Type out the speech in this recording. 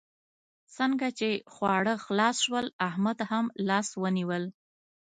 څنګه چې خواړه خلاص شول؛ احمد هم لاس ونيول.